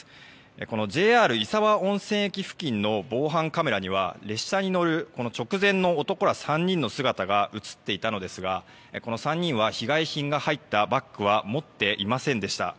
このＪＲ石和温泉駅付近の防犯カメラには列車に乗る直前の男ら３人の姿が映っていたのですがこの３人は被害品が入ったバッグは持っていませんでした。